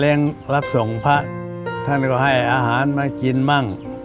รับส่งพระท่านก็ให้อาหารมากินบ้าง